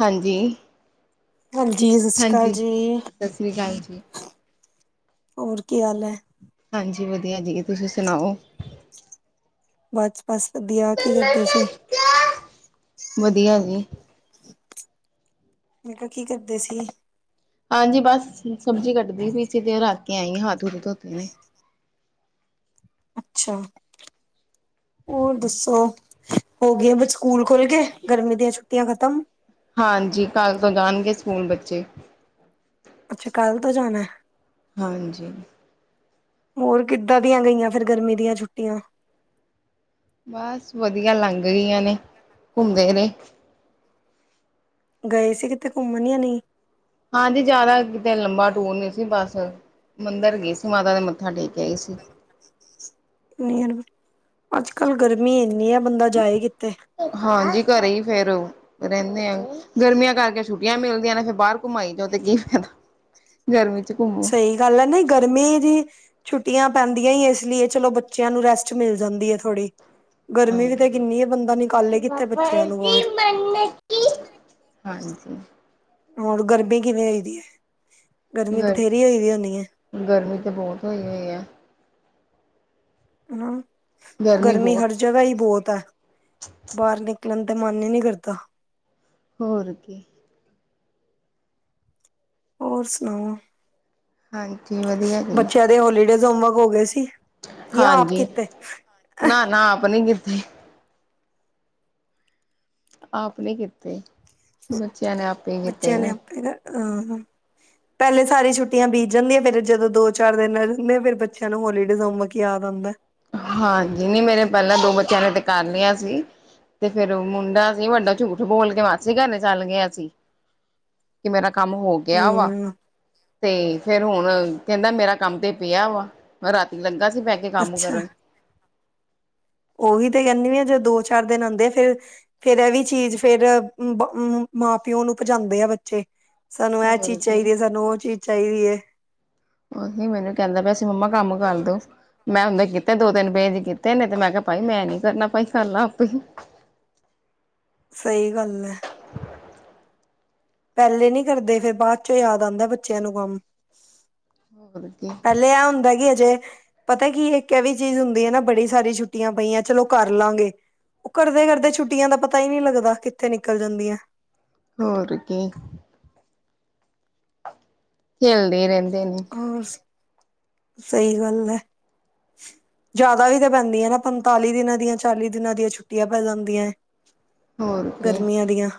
ਹਾਂਜੀ। ਹਾਂਜੀ, ਸਤਿ ਸ਼੍ਰੀ ਅਕਾਲ ਹਾਂਜੀ ਜੀ। ਸਤਿ ਸ੍ਰੀ ਅਕਾਲ ਜੀ ਹੋਰ ਕੀ ਹਾਲ ਹੈ? ਹਾਂਜੀ, ਵਧੀਆ ਜੀ। ਤੁਸੀਂ ਸੁਣਾਓ? ਬਸਚ, ਬਸ ਵਧੀਆ। ਕੀ ਕਰਦੇ ਸੀ ਵਧੀਆ ਜੀ। ਮੈਂ ਕਿਹਾ, ਕੀ ਕਰਦੇ ਸੀ? ਹਾਂਜੀ, ਬਸ ਸਬਜੀ ਕੱਟਦੀ ਪੀਸੀ। ਤੇ ਉਹ ਰੱਖ ਕੇ ਆਈ ਆ। ਤੇ ਹੱਥ-ਹੁਥ ਧੋਤੇ। ਅੱਛਾ, ਹੋਰ ਦੱਸੋ? ਹੋ ਗਿਆ। ਬਸ, ਸਕੂਲ ਖੋਲ ਗੇ, ਗਰਮੀ ਦੀਆਂ ਛੁੱਟੀਆਂ ਖਤਮ। ਹਾਂਜੀ, ਕੱਲ ਤੋਂ ਗਾਣਗੇ, ਸਕੂਲ ਬੱਚੇ। ਅੱਛਾ, ਕੱਲ ਤੋਂ ਜਾਣਾ ਏ। ਹਾਂਜੀ। ਹੋਰ, ਕਿੱਦਾਂ ਦੀਆਂ ਗਈਆਂ, ਫੇਰ ਗਰਮੀ ਦੀਆਂ ਛੁੱਟੀਆਂ। ਬਸ ਵਧੀਆ, ਲੰਘ ਗਈਆਂ ਨੇ। ਘੁੰਮਦੇ ਰਹੇ। ਗਏ ਸੀ, ਕਿਤੇ ਘੁੰਮਣ ਯਾ ਨਹੀਂ? ਆਂ ਜੀ, ਜਿਆਦਾ ਲੰਬਾ ਟੂਰ ਨਹੀਂ ਸੀ। ਬਸ ਮੰਦਰ ਗਣੇ ਸੀ। ਮਾਤਾ ਨੇ, ਮੱਥਾ ਟੇਕ ਆਈ ਸੀ। ਅੱਜਕੱਲ ਗਰਮੀ ਇਨੀ ਆ, ਬੰਦਾ ਜਾਏ ਕਿੱਥੇ। ਹਾਂਜੀ, ਘਰੇ ਹੀ ਫੇਰ ਰਹੋ। ਰਹਿੰਦੇ ਆ ਗਰਮੀਆਂ ਕਰਕੇ ਛੁੱਟੀਆਂ ਮਿਲਦੀਆਂ ਨੇ ਫਿਰ ਬਾਹਰ ਘੁੰਮਾਈ ਜਾਓ ਤੇ ਕੀ ਫਾਇਦਾ। ਗਰਮੀ ਚ। ਘੁੰਮੋ ਸਹੀ ਗੱਲ ਹੈ। ਨਹੀਂ ਗਰਮੀ ਦੀ। ਛੁੱਟੀਆਂ ਪੈਂਦੀਆਂ ਹੀ, ਇਸ ਲਈ ਏ। ਚਲੋ ਬੱਚਿਆਂ ਨੂੰ, ਰੈਸਟ ਮਿਲ ਜਾਂਦੀ ਹੈ, ਥੋੜੀ। ਗਰਮੀ ਵੀ ਤਾਂ ਹਾਂਜੀ। ਕਿੰਨੀ ਹੈ। ਬੰਦਾ ਨਿਕਾਲੇ ਕਿੱਥੇ, ਬੱਚਿਆਂ ਨੂੰ ਵਫ਼ਰਜ਼ੀ ਬਾਹਰ। ਮੰਨਕੀ ਹਾਂਜੀ। ਹੁਣ, ਗਰਮੀ ਕਿਵੇਂ ਹੋ ਦੀ ਹੈ? ਗਰਮੀ ਗਰ ਬਥੇਰੀ ਹੋਈ ਦੀ ਹੋਣੀ ਹੈ। ਗਰਮੀ ਤੇ, ਬਹੁਤ ਹੋਈ ਹੁਈ ਹੈ। ਹੂੰ, ਗਰਮੀ ਹਰ, ਜਗਹਾ ਹੀ ਬਹੁਤ ਹੈ। ਬਾਹਰ ਨਿਕਲਣ ਦਾ, ਮਨ ਹੀ ਨਹੀਂ ਕਰਤਾ। ਹੋਰ ਕੀ। ਹੋਰ ਸੁਣਾਓ? ਹਾਂਜੀ, ਵਧੀਆ ਜੀ। ਤੇ ਉਹ, ਹੋਲੀਡੇਸ ਹੋਮਵਰਕ, ਹੋ ਗਏ ਸੀ। ਜਾਂ ਆਪ ਹਾਂਜੀ। ਕੀਤੇ ਨਾ- ਨਾ, ਆਪਣੀ ਕਿੱਥੇ। ਆਪ ਨੀ ਕੀਤੇ। ਬੱਚਿਆਂ ਨੇ ਆਪੇ ਹੀ ਕੀਤੇ ਬੱਚਿਆਂ ਨੇ ਵੇ। ਆਪੇ ਅਹ ਪਹਿਲੇ, ਸਾਰੀ ਛੁੱਟੀਆਂ ਬੀਤ ਜਾਂਦੀਆਂ। ਫੇਰ ਜਦੋਂ ਦੋ, ਚਾਰ ਦਿਨ ਰਹਿੰਦੇ। ਫੇਰ ਬੱਚਿਆਂ ਨੂੰ, ਹੋਲੀਡੇਜ਼ਮ ਹੋਮਵਰਕ ਯਾਦ ਆਂਦਾ। ਹਾਂਜੀ। ਨੀ ਮੇਰੇ, ਪਹਿਲਾਂ ਦੋ ਬੱਚਿਆਂ ਨੇ, ਤਾਂ ਕਰ ਲਿਆ ਸੀ। ਤੇ ਫੇਰ ਮੁੰਡਾ ਸੀ ਵੱਡਾ ਝੂਠ ਬੋਲ ਕੇ ਮਾਸੀ ਘਰ ਨੂੰ ਚੱਲ ਗਿਆ ਸੀ ਕਿ ਮੇਰਾ ਕੰਮ ਹੋ ਗਿਆ ਵਾ ਹਮ ਤੇ ਫੇਰ ਹੁਣ ਕਹਿੰਦਾ ਮੇਰਾ ਕੰਮ ਤੇ ਪਿਆ ਵਾ ਮੈਂ ਰਾਤੀ ਲੱਗਾ ਸੀ ਪੈ ਕੇ ਕੰਮ ਅੱਛ ਕਰਨ, ਉਹੀ ਤੇ ਕਹਿੰਦੀ ਆਂ ਜੋ ਦੋ ਚਾਰ ਦਿਨ ਆਉਂਦੇ ਆ ਫੇਰ ਫੇਰ ਇਹ ਵੀ ਚੀਜ਼ ਫੇਰ ਮਾਂ ਪਿਓ ਨੂੰ ਭਜਾਉਂਦੇ ਆ ਬੱਚੇ ਸਾਨੂੰ ਇਹ ਹੋਰ ਚੀਜ਼ ਕੀ ਚਾਹੀਦੀ ਹੈ ਸਾਨੂੰ ਉਹ ਚੀਜ਼ ਚਾਹੀਦੀ ਹੈ ਉਹੀ ਮੈਨੂੰ ਕਹਿੰਦਾ ਪਿਆ ਸੀ ਮੰਮਾ ਆ ਕੰਮ ਕਰਦੋ ਮੈਂ ਹਦੇ ਕੀਤੇ ਦੋ ਤਿੰਨ ਬੇਜ ਕੀਤੇ ਨੇ ਤੇ ਮੈਂ ਕਿਹਾ ਭਾਈ ਮੈਂ ਨੀ ਕਰਨਾ ਭਾਈ ਕਰ ਆਪੇ ਹੀ ਸਹੀ ਗੱਲ ਐ ਪਹਿਲੇ ਨੀ ਕਰਦੇ ਫੇਰ ਬਾਅਦ ਚੋਂ ਯਾਦ ਆਉਂਦਾ ਬੱਚਿਆਂ ਨੂੰ ਕੰਮ ਹੋਰ ਕੇ ਪਹਿਲੇ ਆ ਹੁੰਦਾ ਕੀ ਅਜੇ ਪਤੈ ਕੀ ਐ ਇੱਕ ਐ ਵੀ ਚੀਜ਼ ਹੁੰਦੀ ਐ ਨਾ ਬੜੀ ਸਾਰੀ ਛੁੱਟੀਆਂ ਪਈਐਂ ਚਲੋ ਕਰ ਲਾਂਗੇ। ਉਹ ਕਰਦੇ ਕਰਦੇ ਛੁੱਟੀਆਂ ਦਾ ਪਤਾ ਹੀ ਨਹੀਂ ਲੱਗਦਾ ਕਿੱਥੇ ਨਿਕਲ ਜਾਂਦੀਆਂ ਹੋਰ ਕੀ ਖੇਲਦੇ ਰਹਿੰਦੇ ਨੇ ਹੋਰ ਸਹੀ ਗੱਲ ਹੈ ਜਿਆਦਾ ਵੀ ਤਾਂ ਪੈਂਦੀਆਂ ਨਾ ਪੰਤਾਲੀ ਦਿਨਾਂ ਦੀਆਂ ਚਾਲੀ ਦਿਨਾਂ ਦੀਆਂ ਛੁੱਟੀਆਂ ਪੈ ਜਾਂਦੀਆਂ ਹ [unintelligible] ਗਰਮੀਆਂ ਦੀਆਂ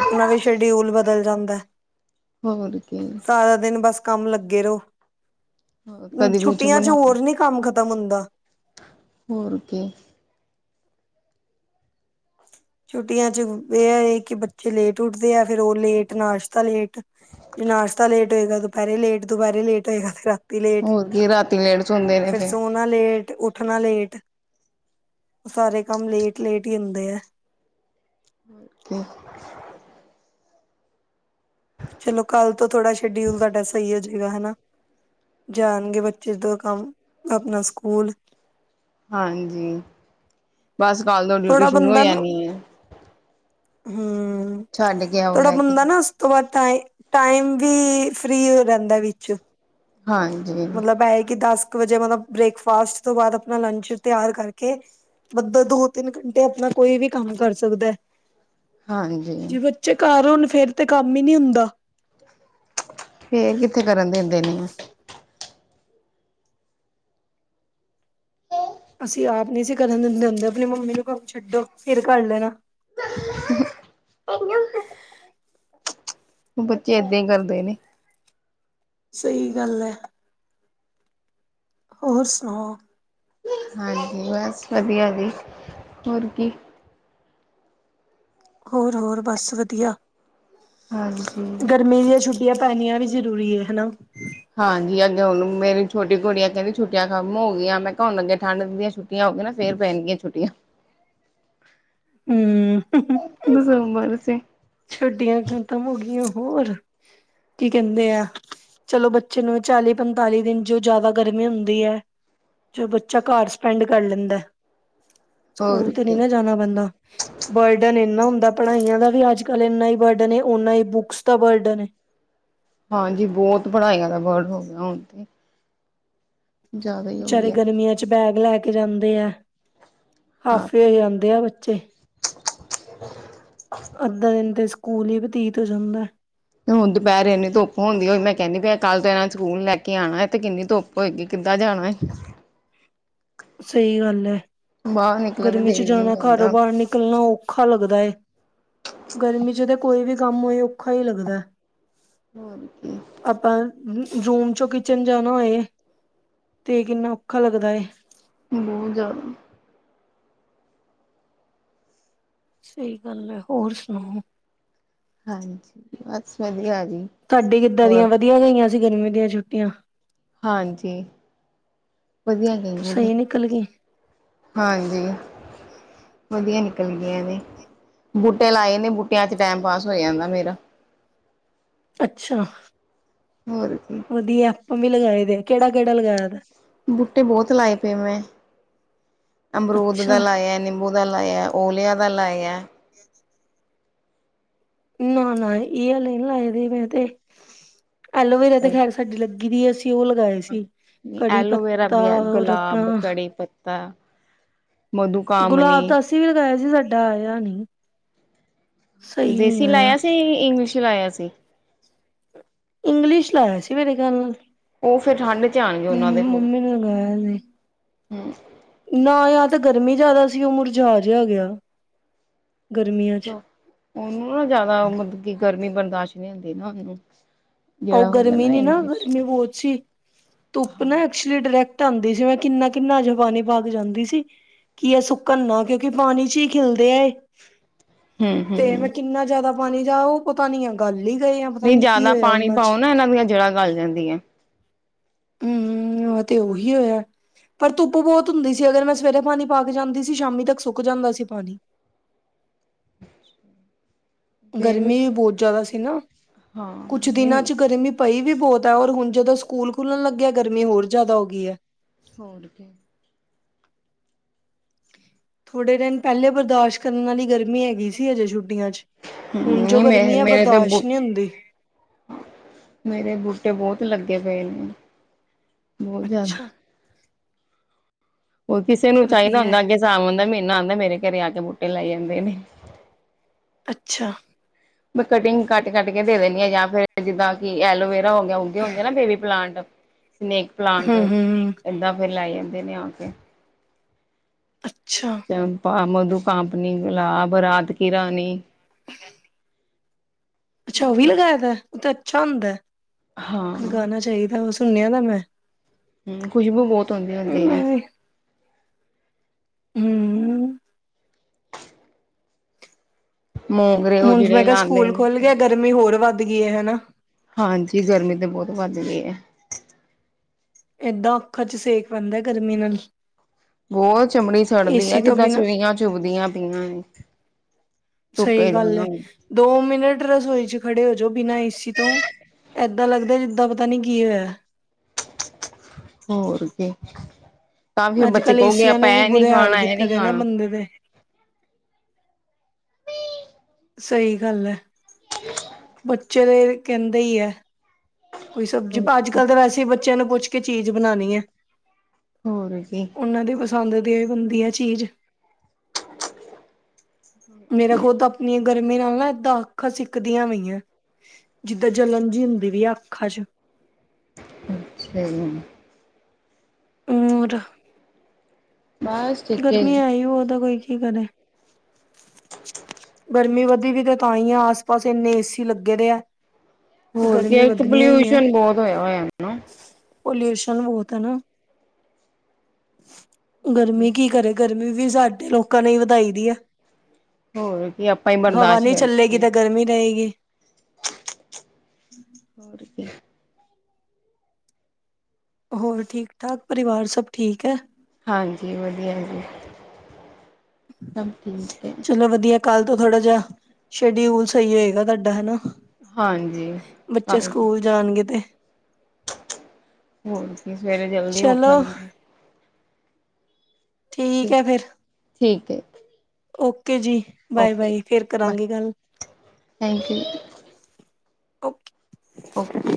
ਆਪਣਾ ਵੀ ਸ਼ਡਿਊਲ ਬਦਲ ਜਾਂਦਾ ਹੋਰ ਕੀ ਬਾਰਾਂ ਦਿਨ ਬਸ ਕੰਮ ਲੱਗੇ ਰਹੋ ਹੋਰ ਕਦੀ ਕੁਛ ਛੁੱਟੀਆਂ ਚ ਬਣਾਓ ਹੋਰ ਨੀ ਕੰਮ ਖ਼ਤਮ ਹੁੰਦਾ ਹੋਰ ਕੀ ਛੁੱਟੀਆਂ ਚ ਇਹ ਕਿ ਬੱਚੇ ਲੇਟ ਉੱਠਦੇ ਆ ਫਿਰ ਉਹ ਲੇਟ ਨਾਸ਼ਤਾ ਲੇਟ ਜੇ ਨਾਸ਼ਤਾ ਲੇਟ ਹੋਏਗਾ ਦੁਪਹਿਰੇ ਲੇਟ ਦੁਪਹਿਰੇ ਲੇਟ ਹੋਏਗਾ ਫ ਲੇਟ ਹੋਰ ਕੀ ਰਾਤੀ ਲੇਟ ਸੌਂਦੇ ਨੇ ਫਿਰ ਸੋ ਫੇਰ ਨਾ ਲੇਟ ਉੱਠਣਾ ਲੇਟ ਉਹ ਸਾਰੇ ਕੰਮ ਲੇਟ ਲੇਟ ਹੀ ਹੁੰਦੇ ਆ [unintelligible] ਚਲੋ ਕੱਲ੍ਹ ਤੋਂ ਥੋੜਾ ਸ਼ਡਿਊਲ ਦਾਡਾ ਸਹੀ ਹੈ ਜ ਸੀਗਾ ਹਨਾ ਜਾਣਗੇ ਬੱਚੇ ਦਾ ਕੰਮ ਆਪਣਾ ਸਕੂਲ ਹਾਂਜੀ ਬਸ ਕੱਲ ਤੋਂ ਡਿਊਟੀ ਸ਼ੁਰੂ ਹੋ ਜਾਣੀ ਏ ਹੂੰ ਛੱਡ ਕੇ ਆਓ ਥੋੜਾ ਲੈ ਕੇ। ਬੰਦਾ ਨਾ ਤੋਂ ਥੋੜਾ ਟ ਟਾਈਮ ਵੀ ਫ੍ਰਰੀ ਰਹਿੰਦਾ ਵਿੱਚ ਹਾਂ ਮਤਲਬ ਇਹ ਕਿ ਦਸ ਕੁ ਵਜੇ ਮਤਲਬ ਬ੍ਰੇਕਫਾਸਟ ਤੋਂ ਬਾਅਦ ਆਪਣਾ ਲੰਚ ਤਿਆਰ ਕਰਕੇ ਬੰਦਾ ਦੋ ਤਿੰਨ ਘੰਟੇ ਆਪਣਾ ਕੋਈ ਵੀ ਕੰਮ ਕਰ ਸਕਦਾ ਹਾਂਜੀ ਚ ਘਰ ਹੁਣ ਫੇਰ ਤੇ ਕੰਮ ਹੀ ਨਹੀਂੀ ਹੁੰਦਾ ਫੇ ਕਿੱਥੇ ਕਰਨ ਦਿੰਦੇ ਨੇ ਆ ਅਸੀਂ ਆਪ ਨਹੀਂ ਸੀ ਕਰਨ ਦਿੰਦੇ ਆਪਣੀ ਮੰਮੀ ਨੂੰ ਕੰਮ ਛੱਡੋ ਫਿਰ ਕਰ ਲੈਣਾ [unintelligible] ਬੱਚੇ ਏਦਾਂ ਹੀ ਕਰਦੇ ਨੇ ਸਹੀ ਗੱਲ ਏ ਹੋਰ ਸੁਣਾਓ ਹਾਂਜੀ ਬਸ ਵਧੀਆ ਜੀ ਹੋਰ ਕੀ ਹੋਰ ਹੋਰ ਬਸ ਵਧੀਆ ਹਾਂਜੀ ਗਰਮੀ ਦੀਆਂ ੁ ਆਂ ਪੈਣੀਆਂ ਵੀ ਜ਼ਰੂਰੀ ਏ ਹਨਾ ਹਾਂਜੀ ਅੱਗੇ ਹੁਣ ਮੇਰੀ ਛੋਟੀ ਕੁੜੀਆਂ ਕਹਿ ਛੱਟੀਆਂ ਖਤਮ ਹੋ ਗਈਆਂ ਮੈਂ ਕਿਹਾ ਹੁਣ ਅੱਗੇ ਠੰਢ ਦੀਆਂ ਛੁੱ ਛੁੱਟੀਆਂ ਹੋਗਿਆ ਨਾ ਫੇਰ ਪੈਣਗੀਆਂ ਛੁੱਟੀਆਂ, ਹੂੰ ਦਸਬਰਸ, ਛੁੱਟੀਆਂ ਖਤਮ ਹੋ ਗਈਆਂ, ਹੋਰ ਕੀ ਕਹਿੰਦੇ ਆ। ਚਲੋ ਬੱਚੇ ਨੂੰ ਚਾਲੀ ਪੰਤਾਲੀ ਦਿਨ ਜੋ ਜ਼ਿਆਦਾ ਗਰਮੀ ਹੁੰਦੀ ਹੈ। ਜੋ ਬੱਚਾ ਘਰ ਵੀ ਸਪੈਂਡ ਕਰ ਲੈਂਦਾ ਹੋਰ ਸਕੂਲ ਤੇ ਨਹੀਂ ਕੀ ਨਾ ਜਾਣਾ ਪੈਂਦਾ, ਬਰਡਨ ਇੰਨਾ ਹੁੰਦਾ, ਪੜ੍ਹਾਈਆਂ ਦਾ ਵੀ ਅੱਜ ਅਜ-ਕੱਲ ਇੰਨਾ ਹੀ ਬਰਡਨ ਐ, ਉਨਾ ਹੀ ਬੁੱਕਸ ਦਾ ਬਰਡਨ ਹੈ। ਹਾਂਜੀ, ਬਹੁਤ ਪੜ੍ਹਾਈਆਂ ਦਾ ਵਰਡਨ ਹੋ ਗਿਆ ਹੁਣ ਤੇ ਜ਼ਿਆਦਾ ਹੀ ਹੋ ਬਚਾਰੇ ਗਿਆ ਗਰਮੀਆਂ ਚ ਬੈਗ ਲੈ ਕੇ ਜਾਂਦੇ ਆ, ਹਾਂ ਹਾਫੇ ਹੋ ਜਾਂਦੇ ਆ ਬੱਚੇ [unintelligible] ਅੱਧਾ ਦਿਨ ਤੇ ਸਕੂਲ ਹੀ ਬਤੀਤ ਹੋ ਜਾਂਦਾ। ਤੇੁਣ ਦੁਪਹਿਰ ਇੰਨੀ ਧੁੱਪ ਹੁੰਦੀ ਈ, ਮੈਂ ਕਹਿੰਦੀ ਪਈ ਆ ਕੱਲ੍ਹ ਇਹਨਾ ਨੁੰ ਸਕੂਲੌ ਲੈ ਕੇ ਆਉਣਾ ਤੇ ਕਿੰਨੀ ਧੁੱਪ ਹੋਈਗੀ, ਕਿੱਦਾਂ ਜਾਣਾ ਐ। ਸਹੀ ਗੱਲ ਐ। ਬਾਹਰ ਨਿਕਲਣ ਦਾ ਗਰਮੀ ਚ ਦਿਲ ਹੀ ਨੀ ਜਾਣਾ ਘਰੋ ਕਰਦਾ ਬਾਹਾਰ ਨਿਕਲਣਾ ਔਖਾ ਲੱਗਦਾ ਹੈ। ਗਰਮੀ ਚ ਤਾਂ ਕੋਈ ਵੀ ਕੰਮ ਹੋਏ ਔਖਾ ਹੀ ਲੱਗਦਾ। ਹੋਰ ਕੀ, ਆਪਾਂ ਰੂਮ ਚੋਂ ਕਿਚਨ ਜਾਣਾ ਹੋਏ, ਤੇ ਕਿੰਨਾ ਔਖਾ ਲੱਗਦਾ ਹੈ। ਬਹੁਤ ਜ਼ਿਆਦਾ, ਸਹੀ ਗੱਲ ਹੈ, ਹੋਰ ਸੁਣਾਓ? ਹਾਂਜੀ ਬਸ ਵਧੀਆ ਜੀ। ਤੁਹਾਡੀ ਕਿੱਦਾਂ ਹੋਰ ਦੀਆਂ ਵਧੀਆ ਗਈਆਂ ਸੀ, ਗਰਮੀ ਦੀਆਂ ਛੁੱਟੀਆਂ? ਹਾਂਜੀ ਵਧੀਆ ਗੲਓਐ ਐ ਏ ਜੀ ਸਹੀ ਨਿਕਲ ਗਈ ਹਾਂਜੀ, ਵਧੀਆ ਨਿਕਲ ਗਈਆਂ ਨੇ, ਬੂਟੇ ਲਾਏ ਨੇ ਬੂਟਿਆਂ ਚ ਟੈਮ ਪਾਸ ਹੋ ਜਾਂਦਾ ਮੇਰਾ, ਅੱਛਾ, ਹੋਰ ਕੀ, ਵਧਏ ਆਪਾਂ ਵੀ ਲਗਾਏ, ਦੇ ਕਿਹੜਾ ਕਿਹੜਾ ਲਗਾਇਆ ਦਾ। ਬੂਟੇ ਬਹੁਤ ਲਾਏ ਪਏ ਮੈਂ, ਅਮਰੂਦ ਦਾ ਅੱਛਾ ਲਾਇਆ ਨਿੰਬੂ ਦਾ ਲਾਇਆ ਓਲਿਆ ਦਾ ਲਾਇਆ। [unintelligible] ਨਾ, ਨਾ, ਇਹ ਹਲੇ ਨਾ ਲਗਦੇ ਮੈਂ ਤੇ ਐਲੋਵੇਰਾ ਤੇ ਖੈਰ ਸਾਡੀ ਲੱਗੀ ਦੀ ਅਸੀ ਹਾਂ ਐਲੋਵੇਰਾ ਵੀ ਹੈ, ਔਰ ਗੁਲਾਬ ਆਪਣਾ ਕੜੀ ਪੱਤਾ ਮਧੂ ਗੁਲਾਬ ਕਾਮਨੀ। ਦਾ ਅਸੀਂ ਵੀ ਲਗਾਇਆ ਸੀ, ਸਾਡਾ ਆਇਆ ਨਹੀਂ, ਅੱਛਾ ਦੇਸੀ ਲਾਇਆ ਸੀ, ਇੰਗਲਿਸ਼ ਲਾਇਆ ਸੀ। ਇੰਗਲਿਸ਼ ਲਾਇਆ ਸੀ, ਮੇਰੇ ਗੱਲ ਨਾਲ ਉਹ ਫੇਰ ਠੰਢ ਚ ਆਉਣਗੇ, ਉਹਨਾਂ ਮੰਮ ਦੇ ਫੁੱਲ ਮੰਮੀ ਨੇ ਲਗਾਇਆ ਸੀ। ਹੂੰ। ਨਾ ਯਾਰ ਤਾਂ ਗਰਮੀ ਜ਼ਿਆਦਾ ਸੀ, ਔ ਮੁੁਰਜਾ ਜਾ ਗਿਆ ਗਰਮੀਆਂ ਚ ਉਹਨੂੰ ਨਾ ਜ਼ਿਆਦਾ ਮਤਲਬ ਕਿ, ਗਰਮੀ ਬਰਦਾਸ਼ਤ ਨਹੀਂ ਹੁੰਦੀ ਨਾ ਉਹਨੂੰ ਉਹ ਜਿਹੜਾ ਹੁੰਦਾ ਗਰਮੀ ਨੀ ਨਾ ਇੰਗਲਿਸ਼ ਗਰਮੀ ਬਹੁਤ ਸੀ ਧੁੱਪ ਨਾ ਹਮ ਡਾਇਰੈਕਟ ਆਉਂਦੀ ਸੀ, ਮੈਂ ਕਿੰਨਾ ਕਿੰਨਾ ਔਚ ਪਾਣੀ ਪਾ ਕੇ ਜਾਂਦੀ ਸੀ। ਕੀ ਐ ਸੁੱਕਣ ਨਾ ਕਿਉਂਕਿ ਪਾਣੀ ਚ ਹੀ ਖਿਲਦੇ ਹੈਏ। ਤੇ ਮੈਂ ਹਮ ਕਿੰਨਾ ਜਿਆਦਾ ਪਾਣੀ ਜਾ ਉਹ ਪਤਾ ਨੀ ਆ ਗੱਲ ਹੀ ਗਏ ਆ। ਪਤਾ ਨਹੀਂ ਨੀ ਕੀ ਜਿਆਦਾ ਹੋਇਆ ਪਾਣੀ ਉਹਨਾਂ ਚ ਪਾਓ, ਨਾ ਇਹਨਾਂ ਦੀਆਂ ਜੜ੍ਹਾਂ ਗਲ ਜਾਂਦੀਆਂ। ਹੂੰ ਉਹ ਤੇ ਉਹੀ ਹੋਇਆ। ਪਰ ਧੁੱਪ ਬਹੁਤ ਹੁੰਦੀ ਸੀ, ਅਗਰ ਮੈਂ ਸਵੇਰੇ ਪਾਣੀ ਪਾ ਕੇ ਜਾਂਦੀ ਸੀ ਸ਼ਾਮੀ ਤੱਕ ਸੁੱਕ ਜਾਂਦਾ ਸੀ, ਪਾਣੀ ਗਰਮੀ ਵੀ ਬਹੁਤ ਜ਼ਿਆਦਾ ਸੀ ਨਾ, ਹਾਂ ਕੁਛ ਨਹੀਂ ਦਿਨਾਂ ਚ ਗਰਮੀ ਪਈ ਵੀ ਬਹੁਤ ਹੈ, ਔਰ ਹੁਣ ਜਦੋਂ ਸਕੂਲ ਖੁੱਲਣ ਲੱਗਿਆ ਗਰਮੀ ਹੋਰ ਜ਼ਿਆਦਾ ਹੋ ਗਈ ਹੈ। ਹੋਰ ਕੇ, ਥੋੜੇ ਦਿਨ ਪਹਿਲੇ ਬਰਦਾਸ਼ਤ ਕਰਨ ਵਾਲੀ ਗਰਮੀ ਹੈਗੀ ਸੀ ਹਜੇ ਛੁੱਟੀਆਂ ਚ ਹੁਣ ਜੋ ਨਹੀਂ ਗਰਮੀ ਮੇਰੇ ਹੈ ਮੇਰੇ ਤੇ ਬ ਬਰਦਾਸ਼ਤ ਨਹੀਂ ਹੁੰਦੀ ਮੇਰੇ ਬੂਟੇ ਬਹੁਤ ਲੱਗੇ ਪਏ ਨੇ ਬਹੁਤ ਜ਼ਿਆਦਾ ਅੱਛਾ ਉਹ ਕਿਸੇ ਨੂੰ ਚਾਹੀਦਾ ਵਧੀਆ ਹੁੰਦਾ ਅੱਗੇ ਸਾਮ ਆਉਦਾ ਮਹੀਨਾ ਆਉਂਦਾ ਮੇਰੇ ਘਰੇ ਆ ਕੇ ਬੂਟੇ ਲਾਈ ਜਾਂਦੇ ਨੇ ਅੱਛਾ ਮੈ ਕਟਿੰਗ ਕੱਟ-ਕੱਟ ਕੇ ਦੇ ਦਿੰਦੀ ਆਾ ਜਾਂ ਫਿਰ ਜਿੱਦਾਂ ਕਿ ਐਲੋਵੇਰਾ ਹੋ ਗਿਆ, ਉਗੇ ਹੁੰਦੇ ਆ ਨਾ ਬੇਬੀ ਪਲਾਂਟ ਸਨੇਕ ਪਲਾਂਟ ਹੂੰ ਹੂੰ ਏਦਾਂ ਫੇਿਰ ਲੈ ਜਾਂਦੇ ਨੇ ਆ ਕੇ ਅੱਛਾ ਚੰਪਾ ਮਧੂ ਕਪਨੀ ਗੁਲਾਬ ਰਾਤ ਕਿ ਰਾਣੀ ਹਾਂਜੀ ਅੱਛਾ ਉਹ ਵੀ ਲਗਾਾਇਏ ਦਾ ਉਹ ਤਾਂ ਅੱਛਾ ਹੁੰਦਾ ਹਾਂ ਲਗਾਉਣਾ ਹੂੰ ਚਾਹੀਦਾ ਵ ਸੁਣਿਆ ਦਾ ਮੈਂ ਹਮ ਖੁਸ਼ਬੂ ਬਹੁਤ ਆਉਂਦੀ ਹੁੰਦੀ ਹੈ ਮੈਂ ਹਮ ਮੂੰਗਰੇ ਉਹ ਹੁਣ ਜਿਹੜੇ ਮੈਂ ਕਿਹਾ ਲਾਉਂਦੇ ਸਕੂਲ ਨੇ ਖੁੱਲ ਗਿਆ ਗਰਮੀ ਹੋਰ ਵੱਧ ਗਈ ਹਨਾ ਹਾਂਜੀ ਗਰਮੀ ਤਾਂ ਬਹੁਤ ਵੱਧ ਗਈ ਹੈ ਏਦਾਂ ਔੱਖਾਂ ਚ ਸੇਕ ਪੈਂਂਦਾ ਗਰਮੀ ਨਾਲ ਬਹੁਤ ਚਮੜੀ ਸੜਦੀ ਆ ਏਸੀ ਤੋਂ ਜਿੱਦਾਂ ਬਿਨਾਂ ਸਵੀਆਂ ਸੂਈਆਂ ਚੁੱਬਦੀਆਂ ਪਈਆਂ ਨੇ। ਸਹੀ ਗੱਲ ਹੈ ਦੋ ਮਿੰਟ ਰਸੋਈ 'ਚ ਖੜੇ ਹੋ ਜਾੋ ਬਿਨਾਂ ਏਸੀ ਤੋਂ ਏਦਾਂ ਲੱਗਦਾ ਜਿੱਦਾਂ ਪਤਾ ਨੀ ਕੀ ਹੋਇਆ ਹੋਰ ਕਿ ਤਾਂ ਵੀ ਅੱਜ ਬੱਚੇ ਕੱਲ੍ਹ ਕਹੋਗੇ ਆਪਾਂ ਇਹ ਨੀ ਖਾਣਾ ਇਹ ਨੀ ਖਾਣਾ ਹੁੰਦੇ ਦੇ ਸਹੀ ਗੱਲ ਹੈ ਬੱਚੇ ਦੇ ਕਹਿੰਦੇ ਹੀ ਹੈ ਕੋਈ ਸਬਜ਼ੀ ਹੋਰ ਅੱਜ ਕੀ ਕੱਲ ਤਾਂ ਵੈਸੇ ਹੀ ਬੱਚਿਆਂ ਨੂੰ ਪੁੱਛ ਕੇ ਚੀਜ਼ ਬਣਾਉਣੀ ਹੈ। ਹੋਰ ਕੀ ਉਹਨਾਂ ਦੇ ਪਸੰਦ ਦੀ ਹੁੰਦੀ ਹੈ, ਚੀਜ਼ ਹਮ ਮੇਰਾ ਖੁੱਦ ਆਪਣੀਆਂ ਗਰਮੀ ਨਾਲ ਨਾ ਏਦਾਂ ਅੱਖਾਂ ਸਿੱਕਦੀਆਂ ਪਈਆਂ ਜਿੱਦਾਂ ਜਲਣ ਜਿ ਹੁੰਦੀ ਵੀ ਆ ਅੱਖਾਂ ਚ ਸਹੀ ਗੱਲ ਹ ਰਰ ਬਸ ਠੀਕ ਗਰਮ ਜੀ ਹੈ ਹੀ ਬਹੁਤ ਕੋਈ ਕੀ ਕਰੇ ਗਰਮੀ ਵਧੀ ਵੀ ਤੇ ਤਾਂ ਹੀ ਆ ਆਸ ਪਾਸ ਇੰਨੇ ਏਸੀ ਲੱਗੇ ਦੇ ਆ ਤੇ ਹੋਰ ਕੀ ਗਰਮੀ ਇੱਕ ਵਧਣੀ ਹੀ ਹੈ। ਪੋਲਿਊਸ਼ਨ ਬਹੁਤ ਹੋਇਆ ਹੋਇਆ ਹਨ ਪੋਲਿਊਸ਼ਨ ਬਹੁਤ ਹੈ ਨਾ ਗਰਮੀ ਕੀ ਕਰੇ ਗਰਮੀ ਵੀ ਸਾਡੇ ਲੋਕਾਂ ਨੇ ਵਧਾਈ ਦੀ ਹੈ ਹੋਰ ਕੀ ਆਪਾਂ ਹੀ ਹਵਾ ਬਰਦਾਸ਼ਤ ਨਹੀਂ ਕਰਦੇ ਚੱਲੇਗੀ ਪਏ ਤਾਂ ਗਰਮੀ ਰਹੇਗੀ ਹੋਰ ਕੀ ਹੋਰ ਠੀਕ ਠਾਕ ਪਰਿਵਾਰ ਸਭ ਠੀਕ ਹੈ ਹਾਂਜੀ ਵਧੀਆ ਜੀ ਸਭ ਠੀਕ ਹੈ ਚਲੋ ਵਧੀਆ ਕੱਲ ਤੋਂ ਥੋੜ੍ਹਾ ਜਿਹਾ ਸ਼ਡਿਊਲ ਸਹੀ ਹੋਏਗਾ ਤੁਹਾਡਾ ਹਨਾ ਹਾਂਜੀ ਬੱਚੇ ਸਕੂਲ ਜਾਣਗੇ ਤੇ ਹੋਰ ਕੀ ਸਵੇਰੇ ਜਲਦੀ ਚਲੋ ਉੱਠਣਗੇ ਠੀਕ ਹੈ ਫਿਰ ਠੀਕ ਹੈ ਓਕੇ ਜੀ ਬਾਏ ਓਕੇ ਬਾਏ ਫੇਿਰ ਬਾਏ ਕਰਾਂਗੇ ਗੱਲ ਥੈਂਕ ਯੂ ਓਕੇ ਓਕੇ